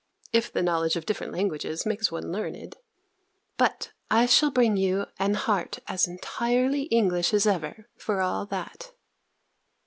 (if the knowledge of different languages makes one learned.) But I shall bring you an heart as entirely English as ever, for all that!